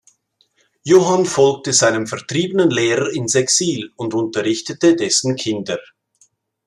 Johann folgte seinem vertriebenen Lehrer ins Exil und unterrichtete dessen Kinder.